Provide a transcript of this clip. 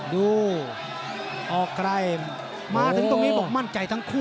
ดูออกไกลมาถึงตรงนี้บอกมั่นใจทั้งคู่